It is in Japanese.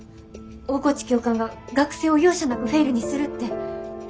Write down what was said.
大河内教官が学生を容赦なくフェイルにするって。